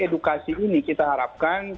edukasi ini kita harapkan